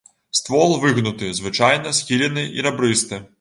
Ствол выгнуты, звычайна схілены і рабрысты.